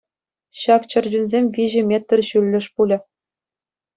Ҫак чӗрчунсем виҫӗ метр ҫуллӗш пулӗ.